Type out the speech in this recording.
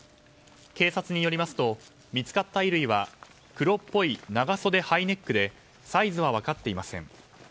警察によりますと見つかった衣類は黒っぽい長袖ハイネックでサイズは分かっていません。